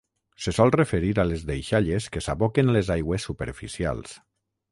Se sol referir a les deixalles que s'aboquen a les aigües superficials".